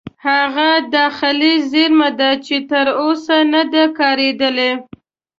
هغه داخلي زیرمه ده چې تر اوسه نه ده کارېدلې.